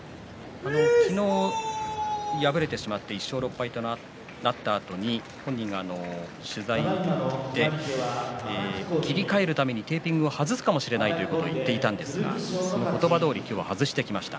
昨日、敗れてしまって１勝６敗となったあとに本人は切り替えるためにテーピングを外すかもしれないと言っていたんですがその言葉どおりテーピングを外してきました。